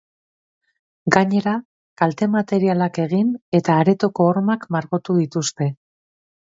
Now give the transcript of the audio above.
Gainera, kalte materialak egin eta aretoko hormak margotu dituzte.